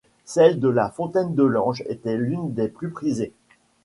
Celle de la Fontaine de l'Ange était l'une des plus prisées.